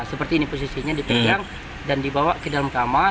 seperti ini posisinya dipegang dan dibawa ke dalam kamar